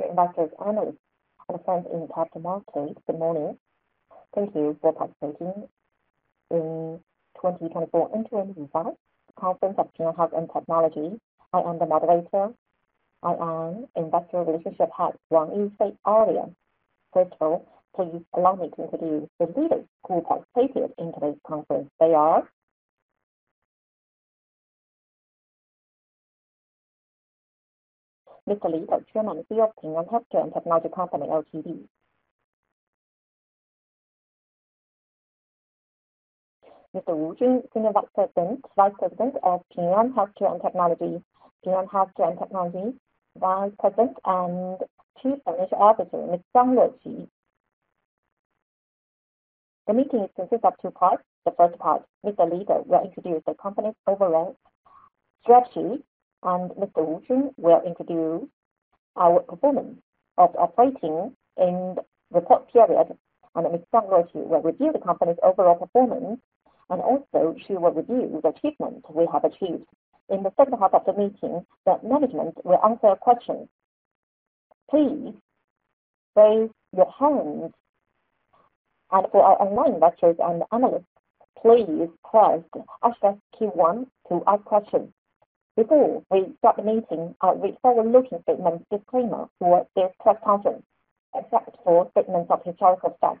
Dear investors, analysts and friends in capital markets, good morning. Thank you for participating in 2024 interim results conference of Ping An Healthcare and Technology Company. I am the moderator. I am investor relationship head Wang Yufei, Aria. First of all, please allow me to introduce the leaders who participated in today's conference. They are Mr. Li Dou, Chairman and CEO of Ping An Healthcare and Technology Company Limited. Mr. Wu Jun, Ping An Healthcare and Technology Vice President and Chief Financial Officer, Ms. Zang Luoqi. The meeting consists of two parts. The first part, Mr. Li Dou will introduce the company's overall strategy, and Mr. Wu Jun will introduce our performance of operating in the report period, and Ms. Zang Luoqi will review the company's overall performance, and also she will review the achievements we have achieved. In the second half of the meeting, the management will answer your questions. Please raise your hands. For our online lectures and analysts, please press asterisk key one to ask questions. Before we start the meeting, we forward-looking statements disclaimer for this press conference, except for statements of historical fact.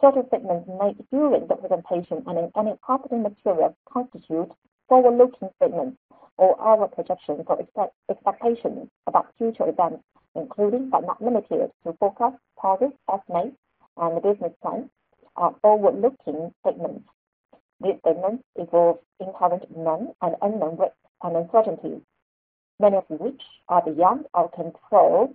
Certain statements made during the presentation and in any accompanying material constitute forward-looking statements or our projections or expectations about future events, including but not limited to forecasts, targets, estimates, and business plans are forward-looking statements. These statements involve inherent known and unknown risks and uncertainties, many of which are beyond our control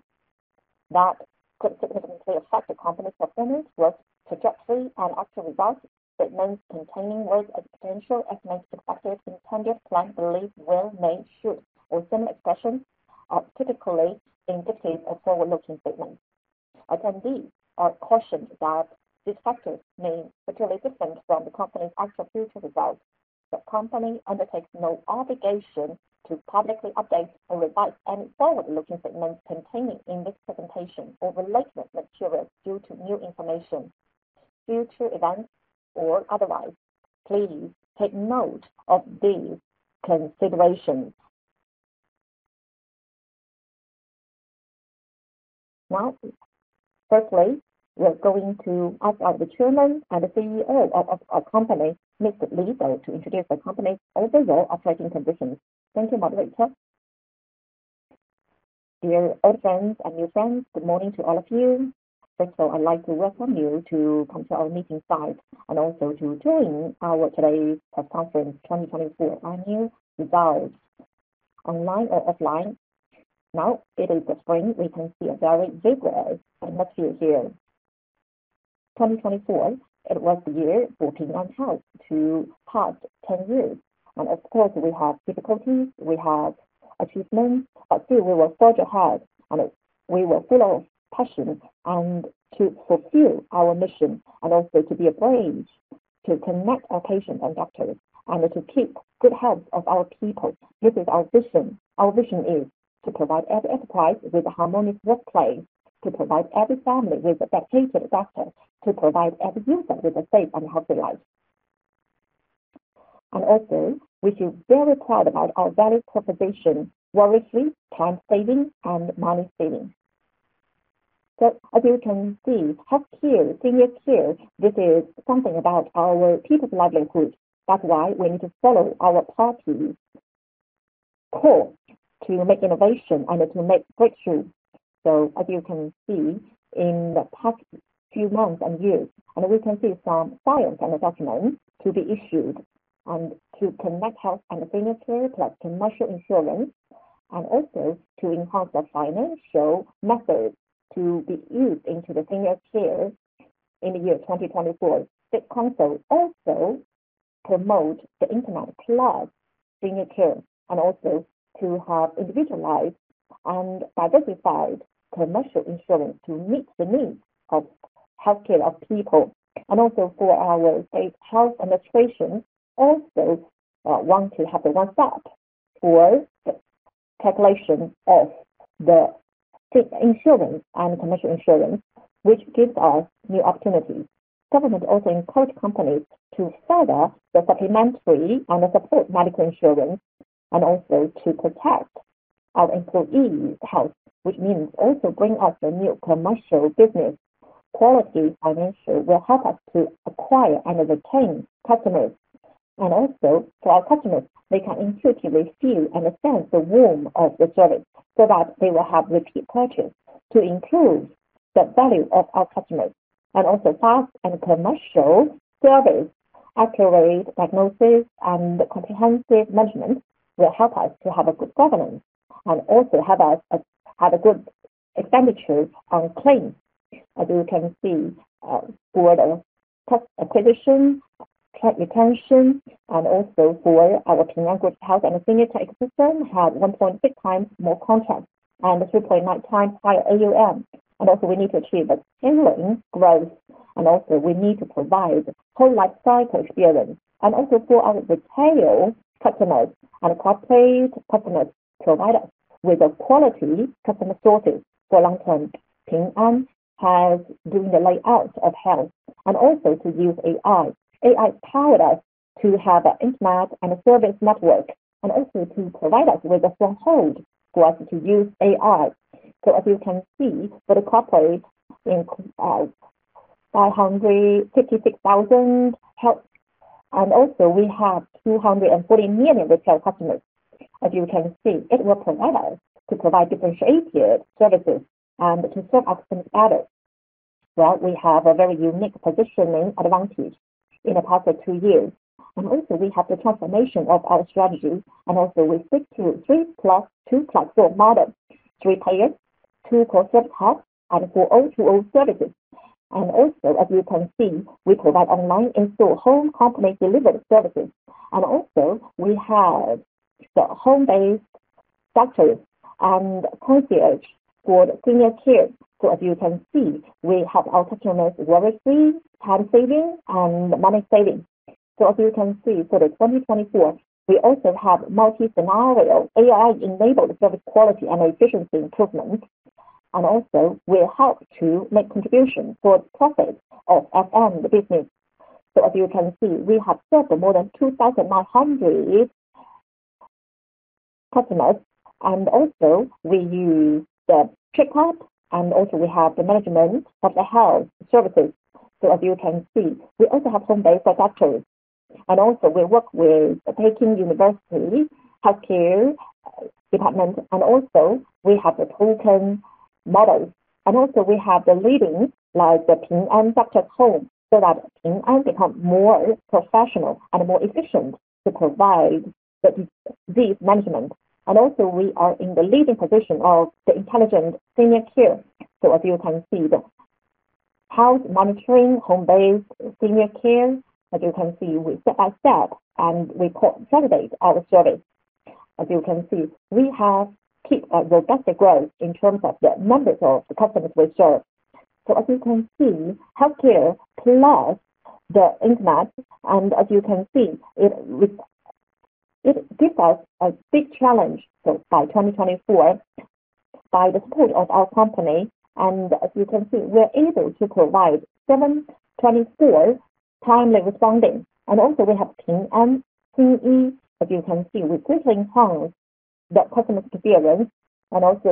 that could significantly affect the company's performance or trajectory and actual results. Statements containing words or potential estimates, such as intend, plan, believe, will, may, should, or similar expressions, typically indicate a forward-looking statement. Attendees are cautioned that these factors may materially differ from the company's actual future results. The company undertakes no obligation to publicly update or revise any forward-looking statements contained in this presentation or related materials due to new information, future events, or otherwise. Please take note of these considerations. Firstly, we are going to ask our Chairman and CEO of our company, Mr. Li, to introduce the company's overall operating conditions. Thank you, moderator. Dear old friends and new friends, good morning to all of you. First of all, I'd like to welcome you to come to our meeting site and also to join our today's press conference 2024 annual results, online or offline. It is the spring; we can see a very vigorous atmosphere here. 2024, it was the year for Ping An Health to pass 10 years. Of course, we have difficulties, we have achievements, but still we will forge ahead, and we will follow passion and to fulfill our mission and also to be a bridge to connect our patients and doctors and to keep good health of our people. This is our vision. Our vision is to provide every enterprise with a harmonious workplace, to provide every family with a dedicated doctor, to provide every user with a safe and healthy life. Also, we feel very proud about our value proposition, worrislessly, time saving, and money saving. As you can see, health care, senior care, this is something about our people's livelihood. That's why we need to follow our party's call to make innovation and to make breakthroughs. As you can see, in the past few months and years, and we can see some signs and documents to be issued and to connect health and senior care plus commercial insurance, and also to enhance the financial methods to be used into the senior care in 2024. The council also promote the internet plus senior care and also to have individualized and diversified commercial insurance to meet the needs of healthcare of people. Also for our state health administration also want to have a one stop for the calculation of the insurance and commercial insurance, which gives us new opportunities. Government also encourage companies to further the supplementary and support medical insurance and also to protect our employees' health, which means also bring us a new commercial business. Quality financial will help us to acquire and retain customers. For our customers, they can intuitively feel and sense the warmth of the service so that they will have repeat purchase to improve the value of our customers. Fast and commercial service, accurate diagnosis, and comprehensive management will help us to have a good governance and also help us have a good expenditure on claim. As you can see, for the customer acquisition, customer retention, and also for our Ping An Group health and senior tech system have 1.6x more contracts and a 3.9x higher AUM. We need to achieve a 10 wing growth. We need to provide whole life cycle experience. For our retail customers and corporate customers provide us with a quality customer sources. For long-term, Ping An has doing the layout of health and also to use AI. AI powered us to have a internet and a service network, also to provide us with a foothold for us to use AI. As you can see, for the corporate in 566,000 health, also we have 240 million retail customers. As you can see, it will provide us to provide differentiated services and to serve our customers better. Well, we have a very unique positioning advantage in the past two years. Also we have the transformation of our strategy, also we stick to a three plus two platform model. Three payers, two core service hubs, and four O2O services. Also, as you can see, we provide online and store home company delivered services. Also we have the home-based doctors and concierge for senior care. We help our customers worry-free, time saving and money saving. For the 2024, we also have multi-scenario AI enabled service quality and efficiency improvement. Will help to make contribution for the profits of F-end, the business. We have served more than 2,900 customers. We use the checkup, and also we have the management of the health services. We also have home-based doctors. We work with the Peking University Health Science Center. We have the uncertain model. We have the leading like the Ping An Doctor Home, so that Ping An become more professional and more efficient to provide these management. We are in the leading position of the intelligent senior care. As you can see, the health monitoring, home-based senior care. As you can see, we step by step and we co-validate our service. As you can see, we have keep a robust growth in terms of the numbers of the customers we serve. As you can see, healthcare plus the internet, and as you can see, it gives us a big challenge. By 2024, by the support of our company, and as you can see, we're able to provide 24/7 timely responding. We have Ping An Health. As you can see, we greatly enhance the customer experience.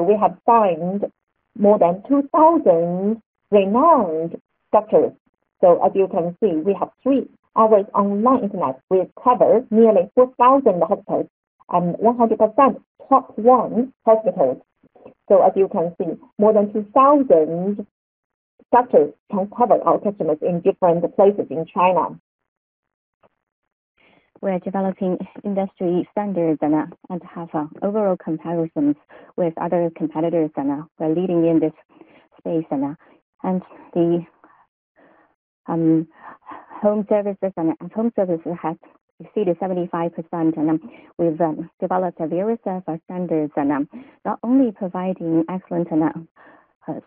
We have signed more than 2,000 renowned doctors. As you can see, we have three always online internet. We cover nearly 4,000 hospitals and 100% top one hospitals. As you can see, more than 2,000 doctors can cover our customers in different places in China. We're developing industry standards and have overall comparisons with other competitors and are leading in this space and the home services has exceeded 75%. We've developed a very set of standards and not only providing excellent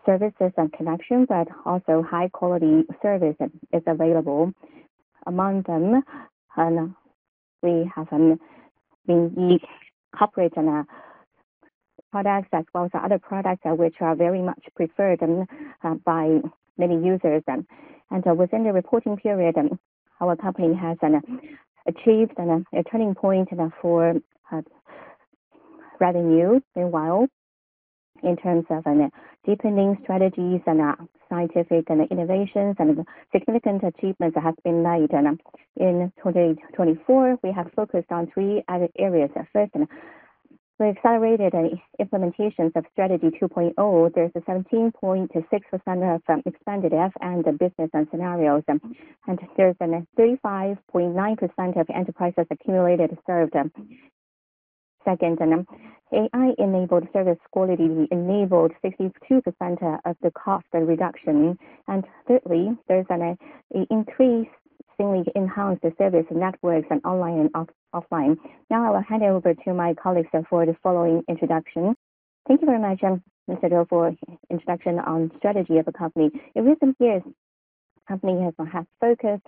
services and connections, but also high quality service is available among them. We have the corporate products as well as other products which are very much preferred by many users. Within the reporting period, our company has achieved a turning point for revenue meanwhile, in terms of deepening strategies, scientific innovations, and significant achievements that has been made. In 2024 we have focused on three added areas. We've accelerated any implementations of Strategy 2.0. There's a 17.6% of expanded F-end business and scenarios. There's a 35.9% of enterprises accumulated served. AI enabled service quality enabled 62% of the cost reduction. Thirdly, there's an increase, seemingly enhanced the service networks and online and off-offline. I will hand over to my colleagues for the following introduction. Thank you very much, Li Dou, for introduction on strategy of the company. In recent years, company has focused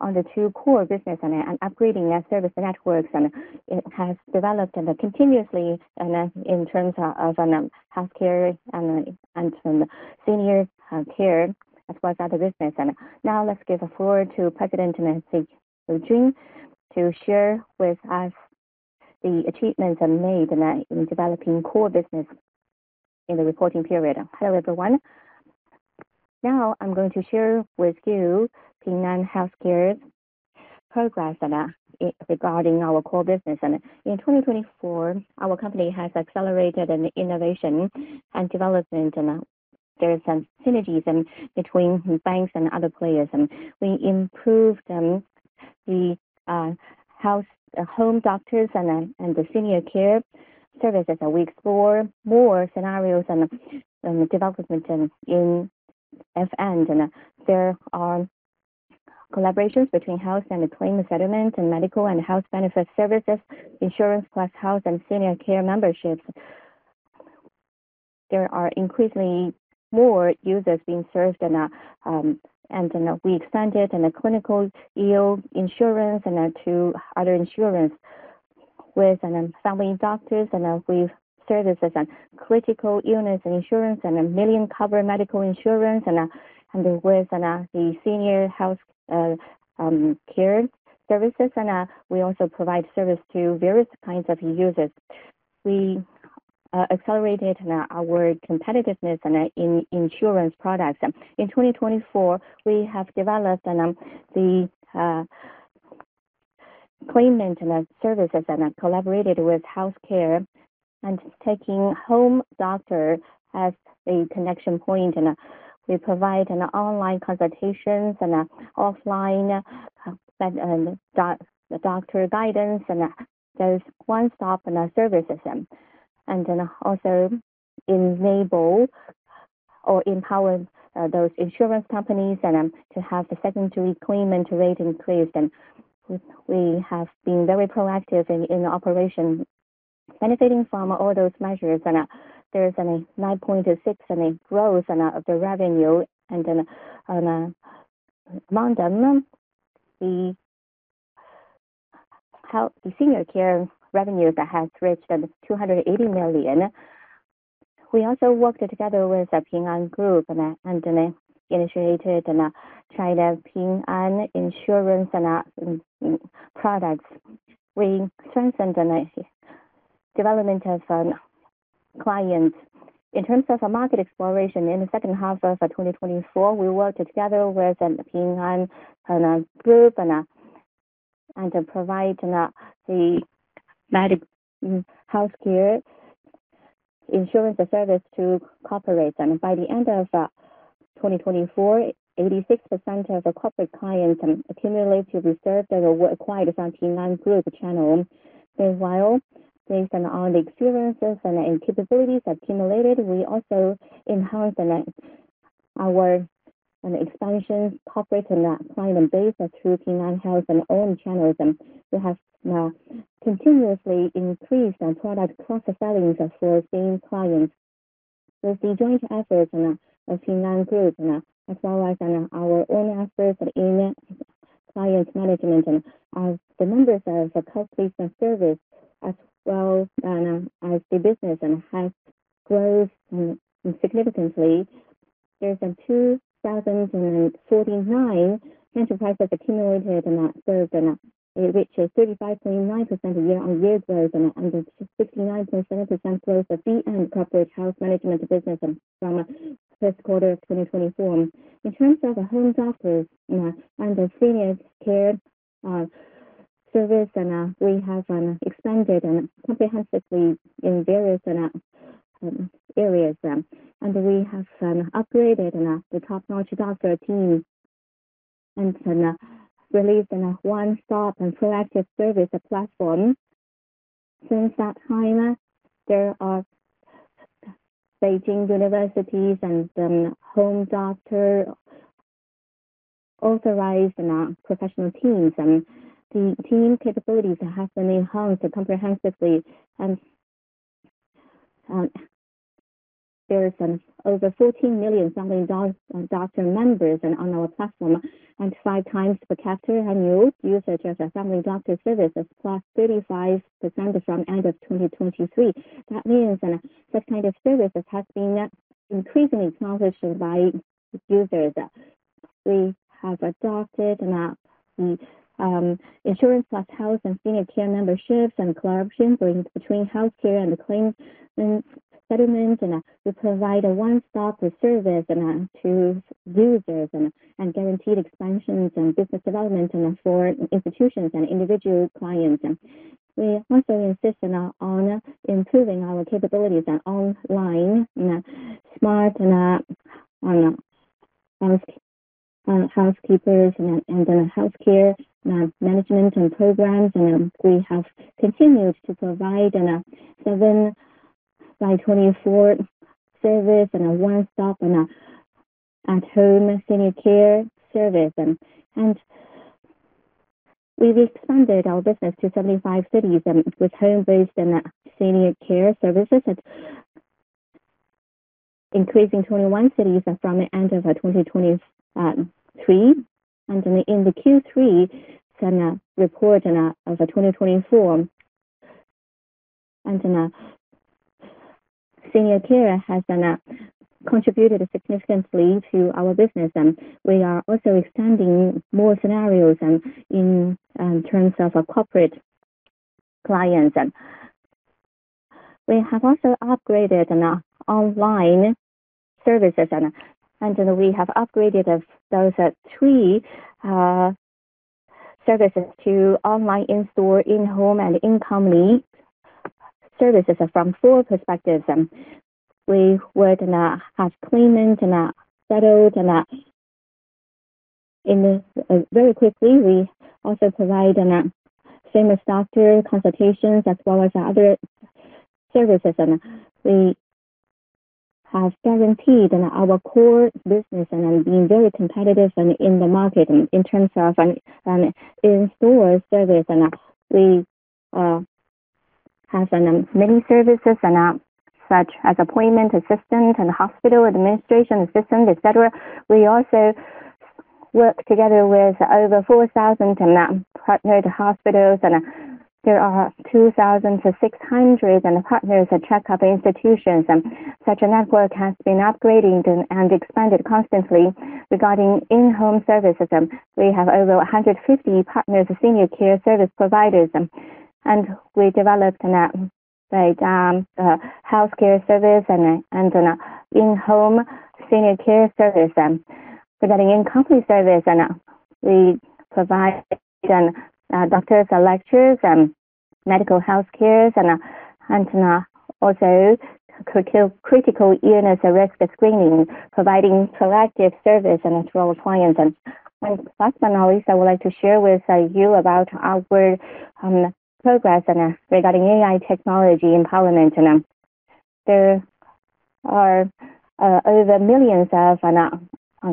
on the two core business and upgrading their service networks. It has developed continuously in terms of healthcare and senior healthcare as well as other business. Now let's give the floor to President Wu Jun to share with us the achievements made in developing core business in the reporting period. Hello, everyone. Now I'm going to share with you Ping An Healthcare's progress regarding our core business. In 2024, our company has accelerated an innovation and development. There is some synergies in between banks and other players, we improved the home doctors and the senior care services, and we explore more scenarios and development in F-end. There are collaborations between Health and claim settlement and medical and health benefit services, insurance plus Health and senior care memberships. There are increasingly more users being served and then we extended in a clinical illness insurance and to other insurance with family doctors and we've services on critical illness insurance and a million cover medical insurance and with the senior health care services, we also provide service to various kinds of users. We accelerated our competitiveness in insurance products. In 2024, we have developed the claimant services and collaborated with Ping An Health and taking Ping An Doctor Home as a connection point, and we provide an online consultations and offline doctor guidance, and there's one stop in our service system, and then also enable or empower those insurance companies to have the secondary claimant rate increased. We have been very proactive in the operation benefiting from all those measures. There's a 9.6 in a growth in the revenue. On a month-on-month, the senior care revenue that has reached 280 million. We also worked together with the Ping An Group and initiated China Ping An Insurance and products. We strengthened the development of clients. In terms of market exploration, in the second half of 2024, we worked together with Ping An Group and provide the healthcare insurance service to corporate. By the end of 2024, 86% of the corporate clients cumulatively served were acquired from Ping An Group channel. Meanwhile, based on the experiences and capabilities accumulated, we also enhanced our expansion corporate and client base through Ping An Health and own channels. We have continuously increased product cross-sellings for same clients. With the joint efforts of Ping An Group as well as our own efforts in client management and the numbers of customers and service as well as the business and has grown significantly. There's 2,049 enterprises accumulated and served. It reaches 35.9% year-on-year growth and 69.7% growth at the end corporate health management business from Q1 2024. In terms of home doctors and the senior care service, we have expanded comprehensively in various areas. We have upgraded the top-notch doctor team and released a one-stop and proactive service platform. Since that time, there are Peking universities and home doctor authorized professional teams. The team capabilities have been enhanced comprehensively. There's over 14 million family doctor members on our platform and 5x per capita annual users of family doctor services, plus 35% from end of 2023. That means that kind of services has been increasingly acknowledged by users. We have adopted the insurance plus health and senior care memberships and collaborations between healthcare and claims settlement. We provide a one-stop service to users and guaranteed expansions and business development for institutions and individual clients. We also insist on improving our capabilities online, smart house, housekeepers and healthcare management programs. We have continued to provide a 7 by 24 service and a one-stop and at home senior care service. We've expanded our business to 75 cities, and with home-based and senior care services, increasing 21 cities from the end of 2023. In the Q3 report of 2024, and senior care has contributed significantly to our business. We are also expanding more scenarios in terms of corporate clients. We have also upgraded online services. We have upgraded those three services to online, in-store, in-home, and in-company services from four perspectives. We would have claimant settled in a very quickly. We also provide famous doctor consultations as well as other services. We have guaranteed our core business and being very competitive in the market in terms of an in-store service. We has many services and such as appointment assistance and hospital administration assistance, et cetera. We also work together with over 4,000 partnered hospitals, and there are 2,600 partners at checkup institutions. Such a network has been upgrading and expanded constantly regarding in-home services. We have over 150 partners of senior care service providers. We developed an healthcare service and an in-home senior care service. Regarding in-company service, we provide doctors lectures, medical healthcares and also critical illness risk screening, providing proactive service and to our clients. Last but not least, I would like to share with you about our progress and regarding AI technology empowerment. There are over millions of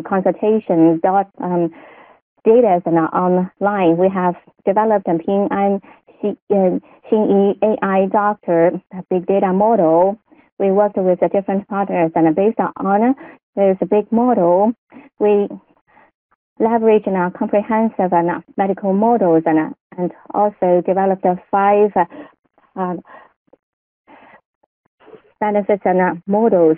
consultation data online. We have developed and Ping An Xin Yi AI doctor, a big data model. We worked with the different partners and based on this big model. We leverage in our comprehensive and medical models, and also developed a five benefits and models,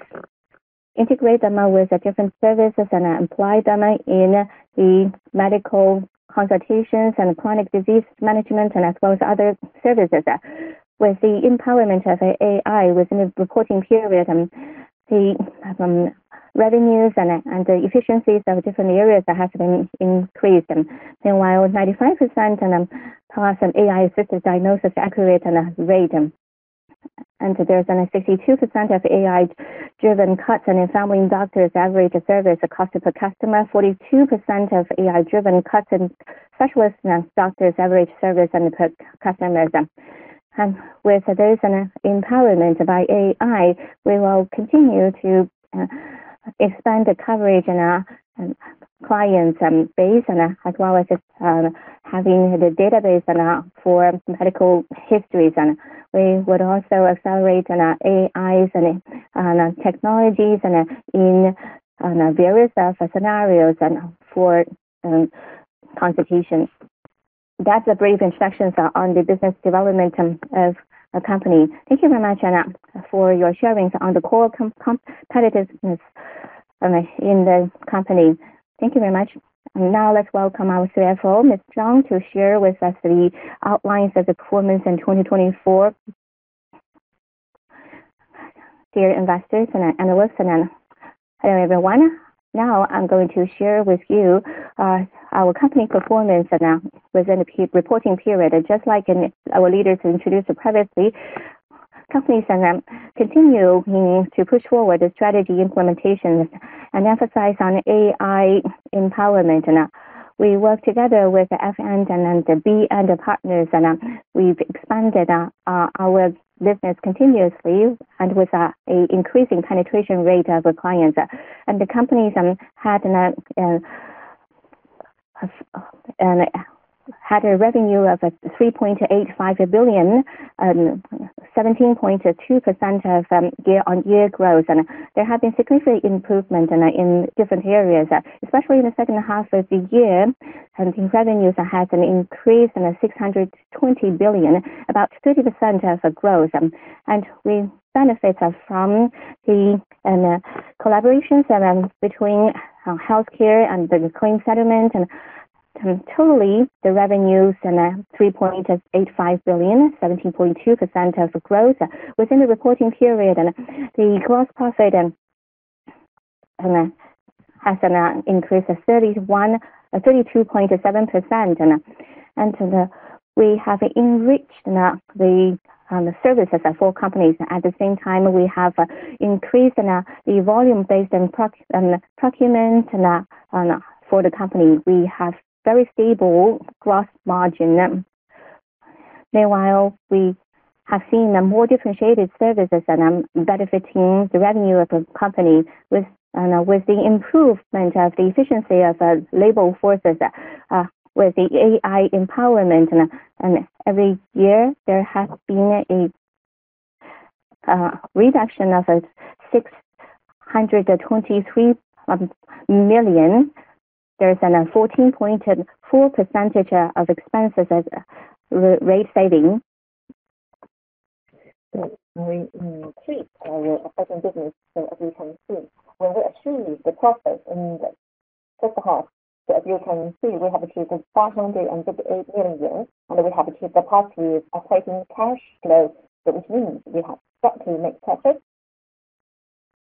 integrate them with the different services and apply them in the medical consultations and chronic disease management, and as well as other services. With the empowerment of AI within the reporting period, the revenues and the efficiencies of different areas has been increased. Meanwhile, 95% pass an AI-assisted diagnosis accurate and rate. There's 62% of AI-driven cuts in a family doctor's average service cost per customer. 42% of AI-driven cuts in specialist doctor's average service and per customer. With this empowerment by AI, we will continue to expand the coverage in our clients base and as well as having the database and for medical histories. We would also accelerate in our AIs and technologies and in various other scenarios and for consultations. That's a brief introduction on the business development of the company. Thank you very much and for your sharings on the core competitiveness in the company. Thank you very much. Let's welcome our CFO, Miss Zang, to share with us the outlines of the performance in 2024. Dear investors and analysts and everyone. I'm going to share with you our company performance within the reporting period. Just like in our leaders introduced previously, companies continue to push forward the strategy implementations and emphasize on AI empowerment. We work together with the F-end and then the B-end partners, we've expanded our business continuously with increasing penetration rate of clients. The company had a revenue of 3.85 billion, 17.2% year-on-year growth. There have been significant improvement in different areas, especially in the second half of the year. The revenues has an increase in 620 billion, about 30% of growth. We benefit from the collaborations between healthcare and the claim settlement. Totally, the revenues 3.85 billion, 17.2% of growth within the reporting period. The gross profit has an increase of 32.7%. We have enriched the services for companies. At the same time, we have increased the volume based on procurement for the company. We have very stable gross margin. Meanwhile, we have seen a more differentiated services benefiting the revenue of the company with the improvement of the efficiency of labor forces with the AI empowerment. Every year, there has been a reduction of 623 million. There's a 14.4% of expenses as rate saving. We increase our operating business. As you can see, when we achieve the profit in the first half. As you can see, we have achieved CNY 558 million, and we have achieved a positive operating cash flow, which means we have got to make profit.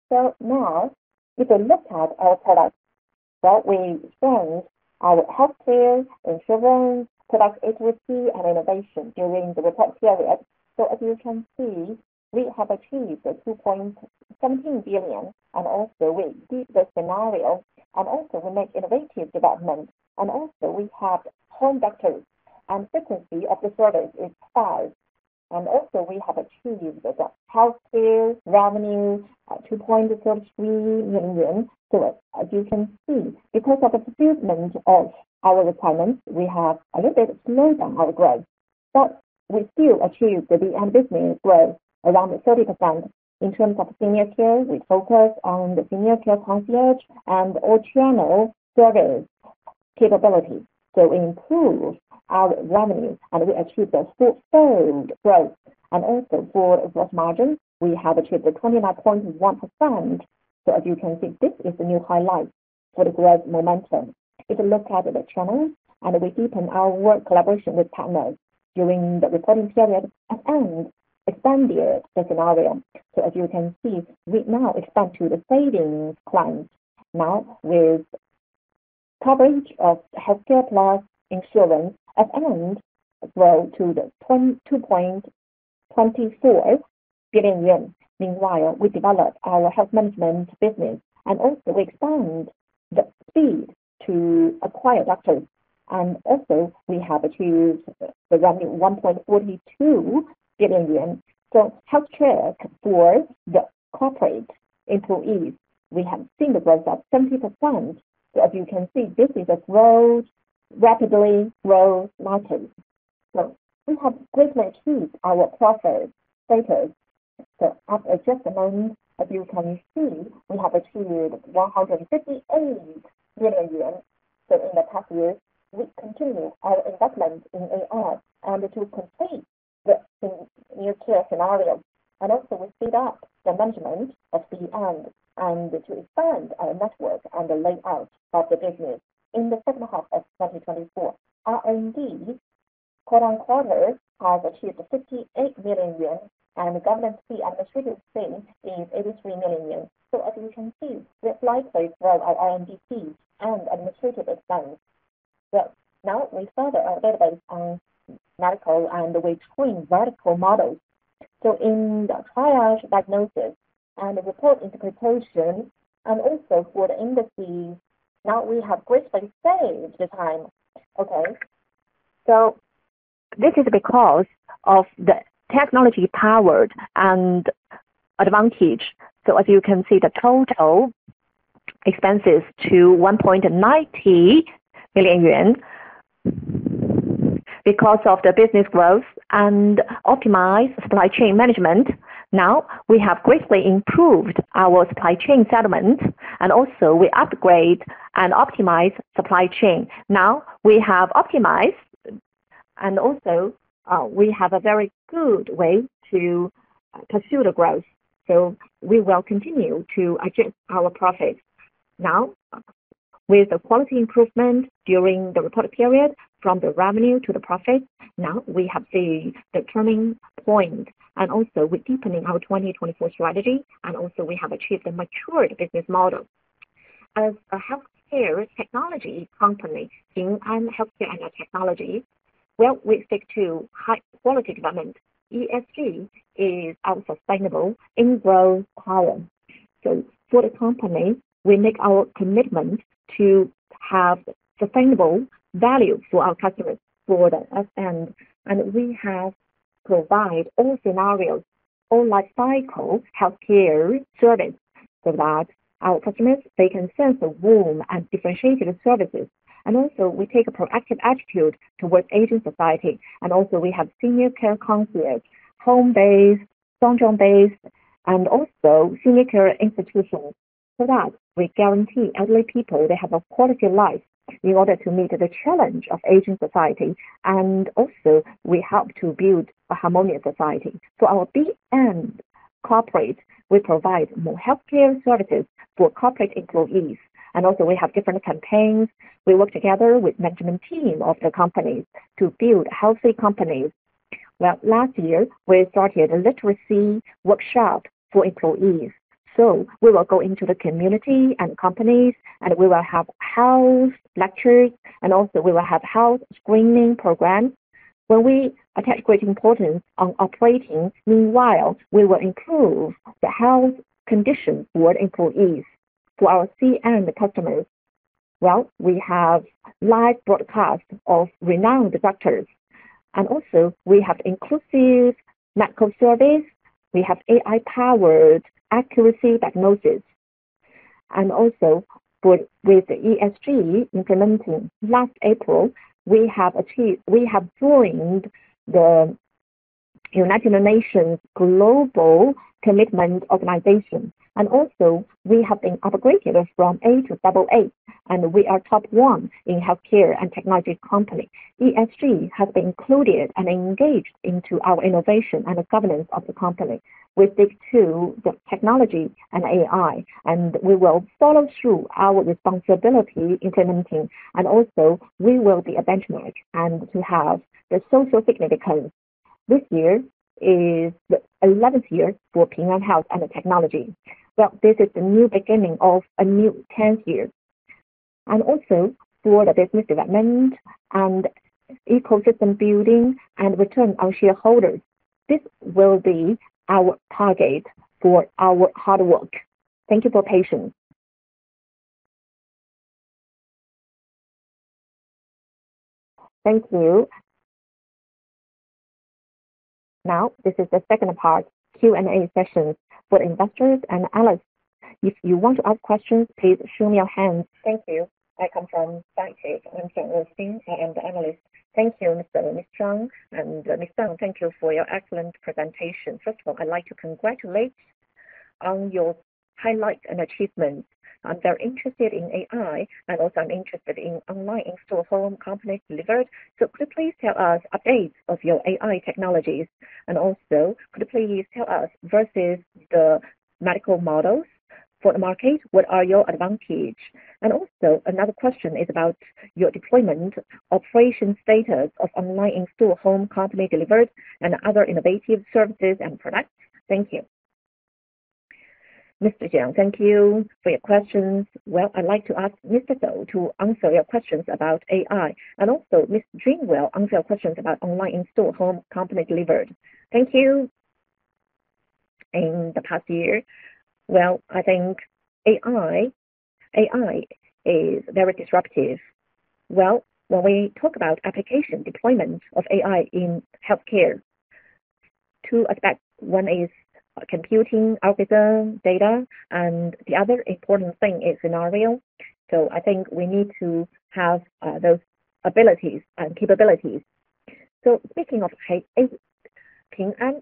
Now if you look at our products, what we spend our healthcare insurance, product agency and innovation during the report period. As you can see, we have achieved 2.17 billion, and also we keep the scenario, and also we make innovative development, and also we have conductors and frequency of the service is five. We have achieved the healthcare revenue at 2.33 million. As you can see, because of the fulfillment of our requirements, we have a little bit slowed down our growth, but we still achieved the B-end business growth around 30%. In terms of senior care, we focus on the senior care concierge and all-channel service capability. We improve our revenue, and we achieve the four-fold growth. Also for gross margin, we have achieved the 29.1%. As you can see, this is the new highlight for the growth momentum. If you look at the channel, we deepen our work collaboration with partners during the reporting period and expand their scenario. As you can see, we now expand to the savings clients, now with coverage of healthcare plus insurance and grow to CNY 22.24 billion. Meanwhile, we develop our health management business and also expand the speed to acquire doctors. We have achieved the revenue 1.42 billion yuan. Health check for the corporate employees, we have seen the growth of 70%. As you can see, this is a growth, rapidly growth margin. We have greatly achieved our profit status. As of just a moment, as you can see, we have achieved 158 million yuan. In the past year, we continue our investment in AI and to complete the senior care scenario. We speed up the management of B-end and to expand our network and the layout of the business in the second half of 2024. Our R&D quarter-on-quarter has achieved the 58 million yuan, and the governance fee administrative fee is 83 million yuan. As you can see, we apply for growth of R&D fees and administrative expense. Well, now we further our database on medical and we train vertical models. In the triage diagnosis and the report interpretation, and also for the indices, now we have greatly saved the time. Okay. This is because of the technology powered and advantage. As you can see, the total expenses to 1.90 million yuan because of the business growth and optimized supply chain management. We have greatly improved our supply chain settlement, and also we upgrade and optimize supply chain. We have optimized, and also, we have a very good way to pursue the growth. We will continue to adjust our profit. With the quality improvement during the reported period from the revenue to the profit, now we have the turning point. We're deepening our 2024 strategy, we have achieved a matured business model. As a healthcare technology company, Ping An Healthcare and Technology, well, we stick to high-quality development. ESG is our sustainable in growth power. We make our commitment to have sustainable value for our customers for the S-end. We have provide all scenarios, all lifecycle healthcare service, so that our customers, they can sense the warmth and differentiated services. We take a proactive attitude towards aging society. We have senior care concierge, home-based, center-based, senior care institutions, so that we guarantee elderly people they have a quality life in order to meet the challenge of aging society. We help to build a harmonious society. We provide more healthcare services for corporate employees. We have different campaigns. We work together with management team of the companies to build healthy companies. Last year, we started a literacy workshop for employees. We will go into the community and companies, and we will have health lectures, we will have health screening programs. We attach great importance on operating. Meanwhile, we will improve the health condition for employees. For our C-end customers, we have live broadcast of renowned doctors. We have inclusive medical service. We have AI-powered accuracy diagnosis. For with the ESG implementing, last April, we have joined the United Nations Global Compact. We have been upgraded from A to AA, and we are top one in healthcare and technology company. ESG has been included and engaged into our innovation and the governance of the company. We stick to the technology and AI, we will follow through our responsibility implementing. Also, we will be a benchmark and to have the social significance. This year is the 11th year for Ping An Health and Technology. This is the new beginning of a new 10th year. Also for the business development and ecosystem building and return our shareholders, this will be our target for our hard work. Thank you for your patience. Thank you. This is the second part, Q&A sessions for investors and analysts. If you want to ask questions, please show me your hand. Thank you. I come from uncertain. I am the analyst. Thank you, Mr. and Ms. Zang. Ms. Zang, thank you for your excellent presentation. First of all, I'd like to congratulate on your highlights and achievements. I'm very interested in AI, and also I'm interested in online in-store home company delivered. Could you please tell us updates of your AI technologies? Could you please tell us versus the medical models for the market, what are your advantage? Another question is about your deployment operation status of online in-store home company delivered and other innovative services and products. Thank you. Mr. Jiang, thank you for your questions. Well, I'd like to ask Mr. Wu to answer your questions about AI. Mr. Jing will answer your questions about online in-store home company delivered. Thank you. In the past year, well, I think AI is very disruptive. Well, when we talk about application deployment of AI in healthcare, 2 aspects. 1 is computing algorithm data, and the other important thing is scenario. I think we need to have those abilities and capabilities. Speaking of AI, Ping An,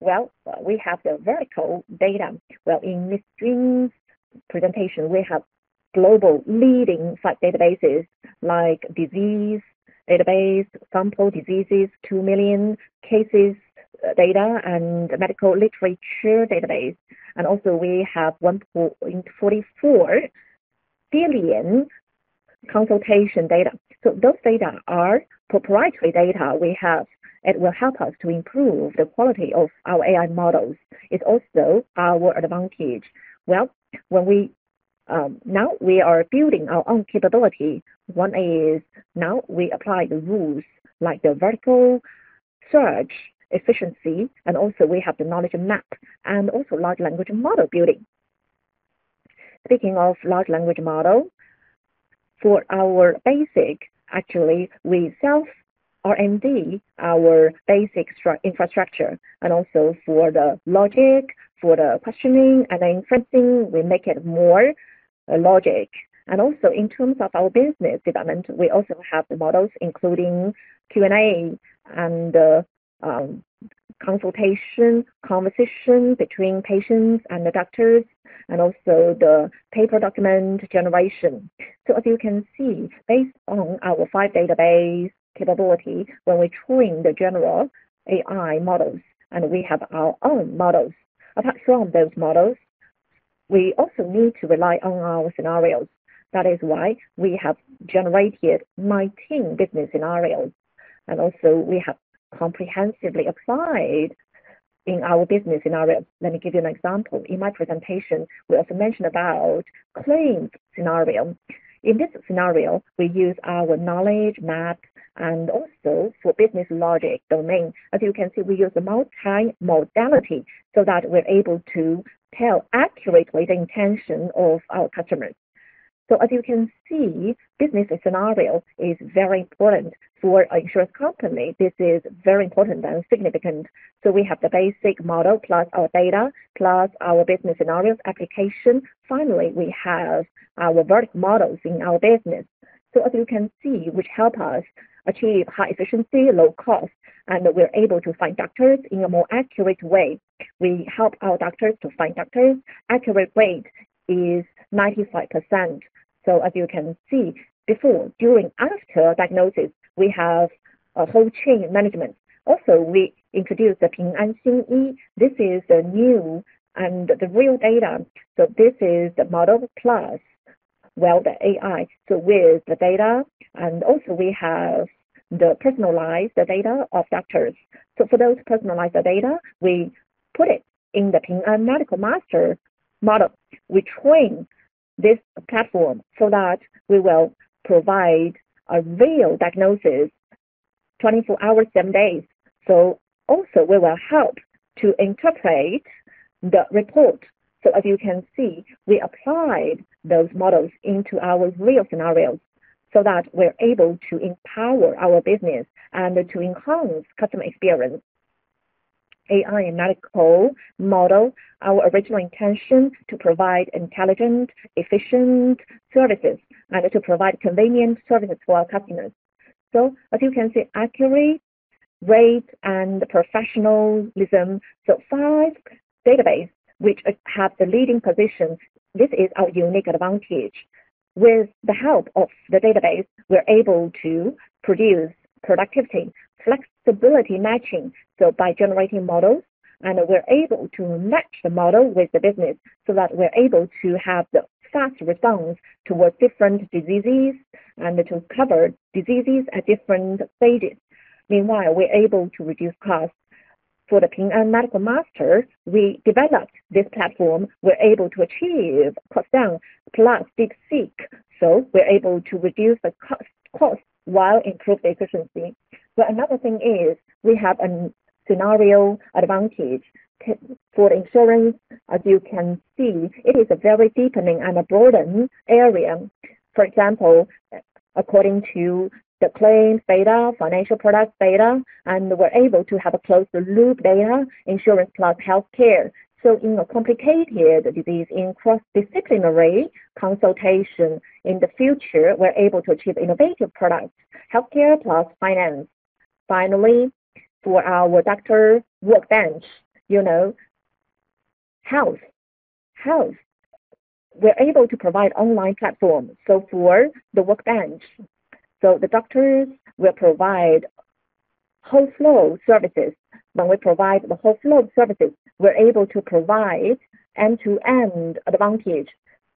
well, we have the vertical data. Well, in Miss Jin's presentation, we have global leading five databases like disease database, sample diseases, 2 million cases data, and medical literature database. Also we have 1.44 billion consultation data. Those data are proprietary data we have. It will help us to improve the quality of our AI models. It's also our advantage. Well, now we are building our own capability. One is now we apply the rules like the vertical search efficiency, and also we have the knowledge map and also large language model building. Speaking of large language model, for our basic, actually, we self R&D our basic infrastructure and also for the logic, for the questioning, and inferencing, we make it more logic. In terms of our business development, we also have the models, including Q&A and consultation, conversation between patients and the doctors, and also the paper document generation. As you can see, based on our five database capability, when we train the general AI models and we have our own models. Apart from those models, we also need to rely on our scenarios. That is why we have generated 19 business scenarios. We have comprehensively applied in our business scenario. Let me give you an example. In my presentation, we also mentioned about claim scenario. In this scenario, we use our knowledge map and also for business logic domain. As you can see, we use a multimodality so that we are able to tell accurately the intention of our customers. As you can see, business scenario is very important for insurance company. This is very important and significant. We have the basic model plus our data, plus our business scenarios application. Finally, we have our vertical models in our business. As you can see, which help us achieve high efficiency, low cost, and we're able to find doctors in a more accurate way. We help our doctors to find doctors. Accurate rate is 95%. As you can see, before, during, after diagnosis, we have a whole chain management. Also, we introduced the Ping An CE. This is the new and the real data. This is the model plus the AI. With the data, and also we have the personalized data of doctors. For those personalized data, we put it in the Ping An Medical Master model. We train this platform so that we will provide a real diagnosis 24 hours, 7 days. Also we will help to interpret the report. As you can see, we applied those models into our real scenarios so that we're able to empower our business and to enhance customer experience. AI and medical model, our original intention to provide intelligent, efficient services and to provide convenient services for our customers. As you can see, accurate rate and professionalism. Five database which have the leading positions. This is our unique advantage. With the help of the database, we're able to produce productivity, flexibility matching. By generating models, and we're able to match the model with the business so that we're able to have the fast response towards different diseases and to cover diseases at different phases. Meanwhile, we're able to reduce costs. For the Ping An Medical Master, we developed this platform. We're able to achieve cost down plus DeepSeek. We're able to reduce the co-cost while improve the efficiency. Another thing is we have an scenario advantage. For insurance, as you can see, it is a very deepening and a broaden area. For example, according to the claims data, financial products data, and we're able to have a closed-loop data, insurance plus healthcare. In a complicated disease, in cross-disciplinary consultation in the future, we're able to achieve innovative products, healthcare plus finance. Finally, for our doctor workbench, you know, Ping An Health, we're able to provide online platform, so for the workbench. The doctors will provide whole flow services. When we provide the whole flow of services, we're able to provide end-to-end advantage.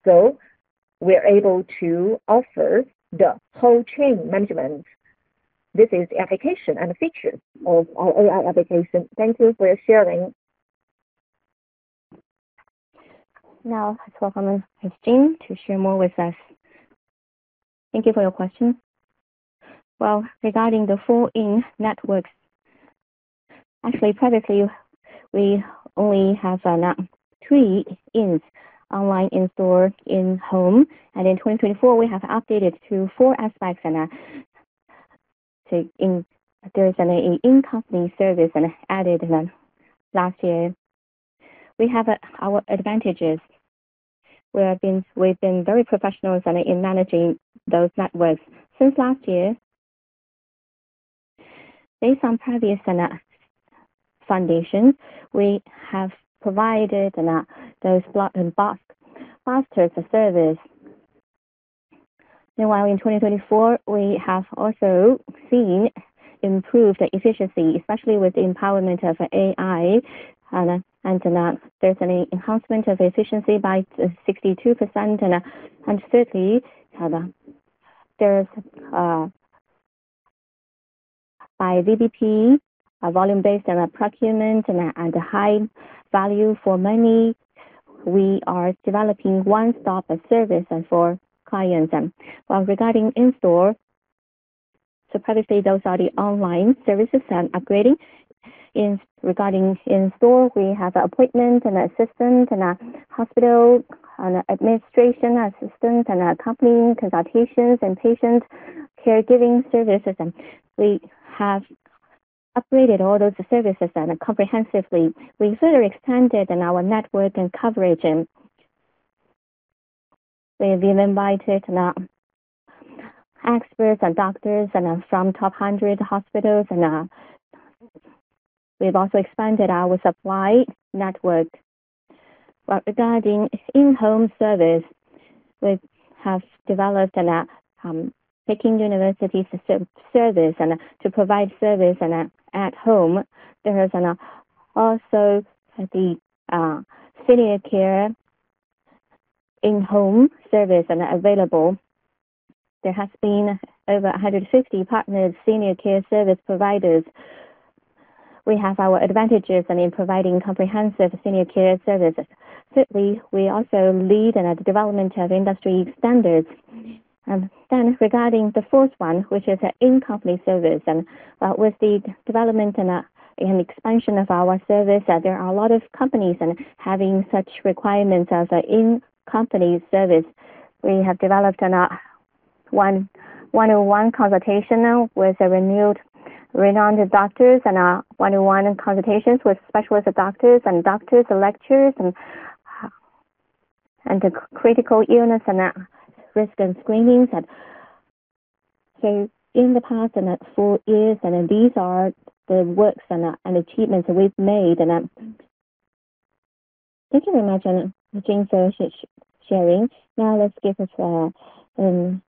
We're able to offer the whole chain management. This is the application and feature of our AI application. Thank you for sharing. Now, let's welcome Miss Jing to share more with us. Thank you for your question. Well, regarding the four in networks, actually previously, we only have three ins, online, in-store, in-home. In 2024, we have updated to four aspects, there's an in-company service added last year. We have our advantages. We've been very professionals in managing those networks. Since last year, based on previous foundation, we have provided those block and basket of service. Meanwhile, in 2024, we have also seen improved efficiency, especially with the empowerment of AI, and there's an enhancement of efficiency by 62% and certainly, there's by VBP, volume-based and procurement, and high value for money, we are developing one stop of service and for clients. Well, regarding in-store, previously, those are the online services and upgrading. In regarding in-store, we have appointment and assistant and hospital administration assistant and accompanying consultations and patients caregiving services, and we have upgraded all those services and comprehensively. We further extended in our network and coverage, and we've even invited experts and doctors from top 100 hospitals, and we've also expanded our supply network. Well, regarding in-home service, we have developed an Peking University service and to provide service and at home. There is an also the senior care in-home service and available. There has been over 150 partners, senior care service providers. We have our advantages and in providing comprehensive senior care services. Certainly, we also lead in the development of industry standards. Regarding the fourth one, which is an in-company service, with the development and expansion of our service, there are a lot of companies and having such requirements as an in-company service. We have developed one-on-one consultation now with renewed renowned doctors and one-on-one consultations with specialist doctors and doctors lectures and the critical illness and risk and screenings. In the past and at four years, these are the works and achievements we've made. Thank you very much, and thanks for sharing. Let's give us tour to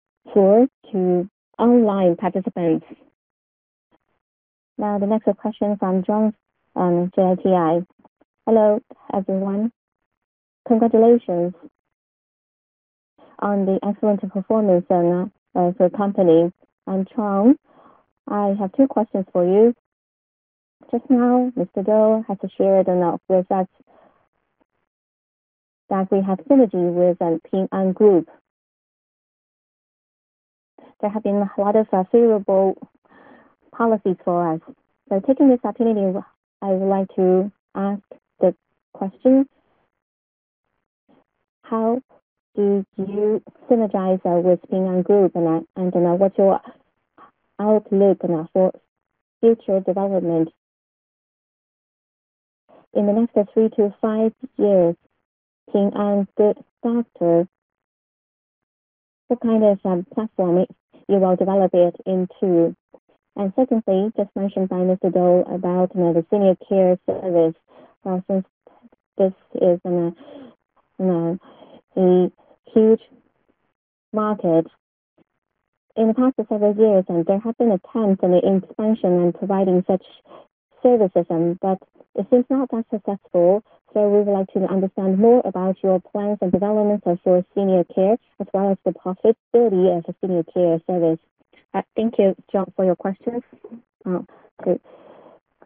online participants. The next question from John, Daiwa Capital Markets. Hello, everyone. Congratulations on the excellent performance and of your company. I'm John. I have two questions for you. Just now, Mr. Li Dou had to share it with us that we have synergy with the Ping An Group. There have been a lot of favorable policies for us. Taking this opportunity, I would like to ask the question: How did you synergize with Ping An Group? What's your outlook now for future development? In the next three to five years, Ping An Good Doctor, what kind of platform you will develop it into? Secondly, just mentioned by Mr. Li Dou about, you know, the senior care service. Since this is in a huge market. In the past several years, and there have been attempts in the expansion and providing such services, but it seems not that successful. We would like to understand more about your plans and development of your senior care, as well as the profitability of the senior care service. Thank you, John, for your questions. Great.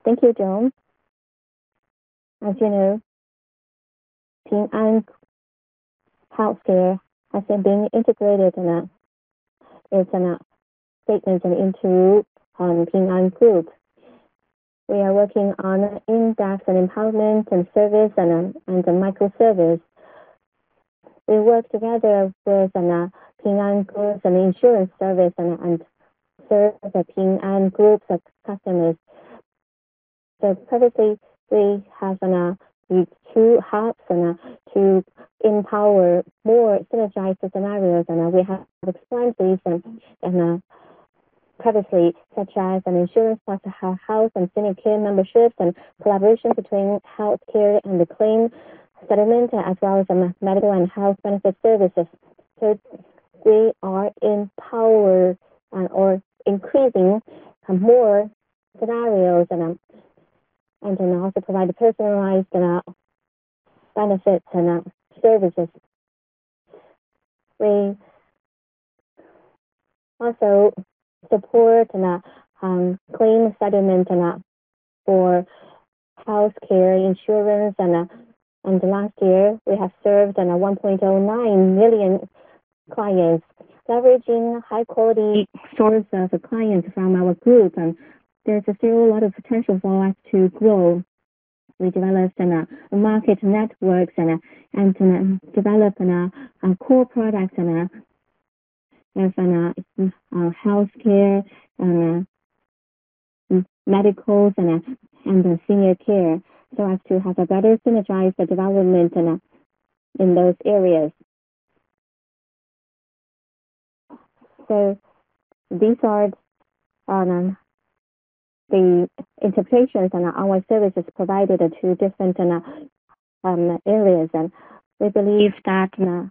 Thank you, John. As you know, Ping An Healthcare has been being integrated it's in a statement into Ping An Group. We are working on in-depth and empowerment and service and microservice. We work together with Ping An Group and insurance service and serve the Ping An Group of customers. Previously, we have with two hubs to empower more synergized scenarios, and we have expanded these and previously, such as an insurance platform, health and senior care memberships and collaboration between healthcare and the claim settlement, as well as medical and health benefit services. We are in power and are increasing more scenarios and can also provide personalized benefits and services. We also support claim settlement for healthcare insurers, and last year we have served 1.09 million clients. We source the clients from our group, and there's still a lot of potential for us to grow. We developed in a market network center and develop in our core products in our healthcare and medicals and senior care, so as to have a better synergized development in those areas. These are the interpretations and our services provided to different areas. We believe that,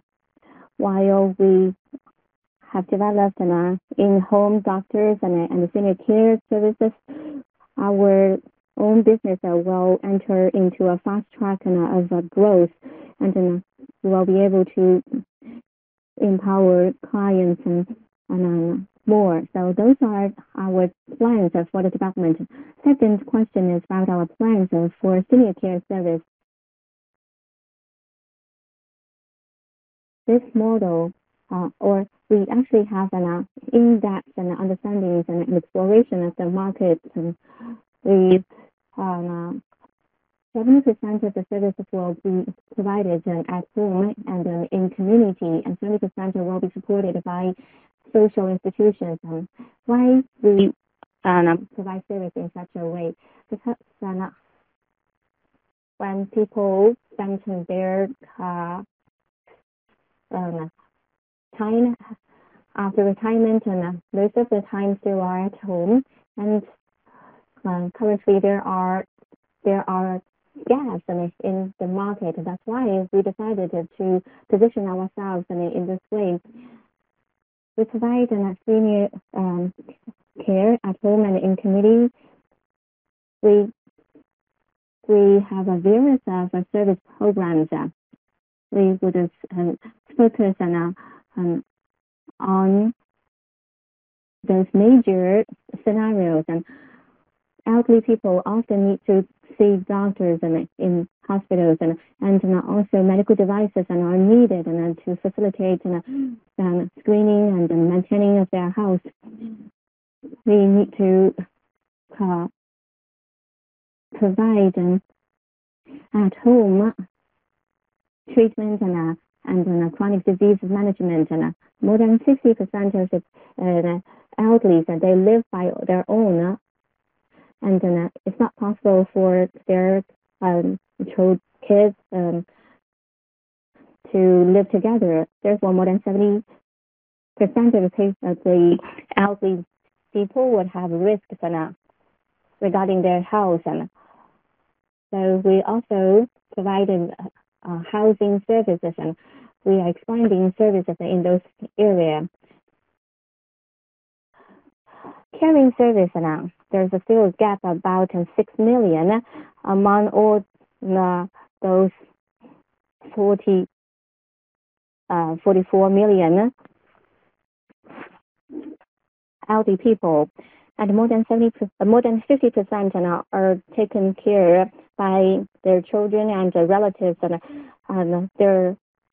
while we have developed in our in-home doctors and senior care services, our own business will enter into a fast track of growth, and then we'll be able to empower clients and more. Those are our plans for the development. Second question is about our plans for senior care service. This model, or we actually have an in-depth understanding and exploration of the markets. 70% of the services will be provided at home and in community, and 30% will be supported by social institutions. Why we provide service in such a way? When people enter their time, after retirement and most of the times they are at home, and currently there are gaps in the market. That's why we decided to position ourselves in this way. We provide senior care at home and in community. We have various service programs, we would focus on those major scenarios. Elderly people often need to see doctors in hospitals and also medical devices are needed in order to facilitate screening and maintaining of their health. We need to provide an at home treatment and chronic disease management. More than 60% of elderly, they live by their own, and it's not possible for their children, kids to live together. Therefore, more than 70% of the case of the elderly people would have risks regarding their health. We also provide in housing services, and we are expanding services in those areas. Caring service announce. There's still a gap of about 6 million among all those 44 million elderly people, and more than 50% are taken care by their children and their relatives. The